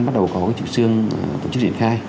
bắt đầu có cái trực sương tổ chức diễn khai